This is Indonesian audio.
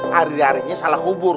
hari harinya salah hubur